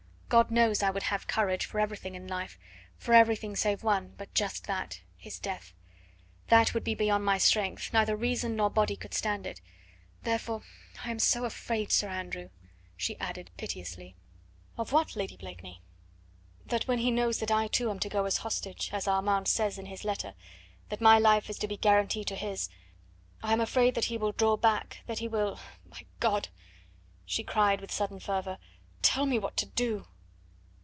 God knows I would have courage for everything in life, for everything save one, but just that, his death; that would be beyond my strength neither reason nor body could stand it. Therefore, I am so afraid, Sir Andrew," she added piteously. "Of what, Lady Blakeney?" "That when he knows that I too am to go as hostage, as Armand says in his letter, that my life is to be guarantee for his, I am afraid that he will draw back that he will my God!" she cried with sudden fervour, "tell me what to do!"